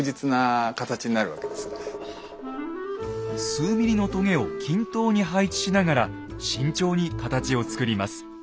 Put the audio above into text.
数ミリのとげを均等に配置しながら慎重に形を作ります。